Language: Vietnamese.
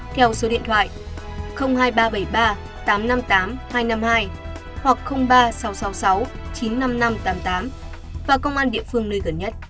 theo số điện thoại hai nghìn ba trăm bảy mươi ba tám trăm năm mươi tám hai trăm năm mươi hai hoặc ba sáu trăm sáu mươi sáu chín mươi năm nghìn năm trăm tám mươi tám và công an địa phương nơi gần nhất